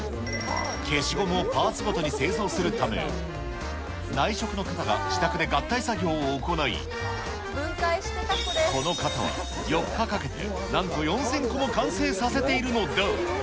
消しゴムをパーツごとに製造するため、内職の方が自宅で合体作業を行い、この方は４日かけて、なんと４０００個も完成させているのだ。